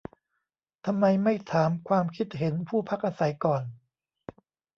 ทำไมไม่ถามความคิดเห็นผู้พักอาศัยก่อน